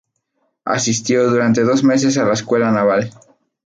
Asistió durante dos años a la Escuela Naval.